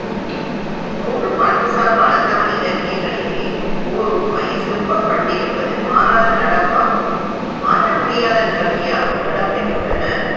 மூன்று பண்புசால் பழந்தமிழ் இலக்கியங்களிலே ஓர் உண்மை செப்பப்பட்டிருப்பது மாறாத நடப்பாகவும் மாற்றமுடியாத நிகழ்ச்சியாகவும் இடம் பெற்றுள்ளன.